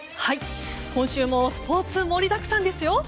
今週もスポーツ盛りだくさんですよ。